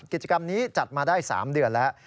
กิจกรรมนี้จัดมาได้๓เดือนแล้ว